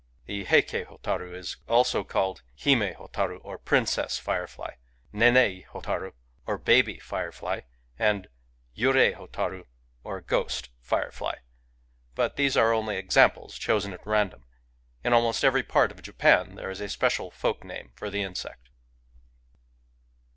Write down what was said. The Heiki botaru is also called Himi botarUy or " Princess Firefly *'; Nennii botarUy or " Baby Firefly"; and rurii botaruy or "Ghost Firefly." But these are only examples chosen at random : in almost every part of Japan there is a speci aLfolk nasxfiJbr the.inseQt.